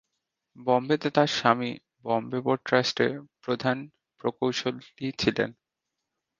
বোম্বেতে তার স্বামী বোম্বে পোর্ট ট্রাস্টের প্রধান প্রকৌশলী ছিলেন।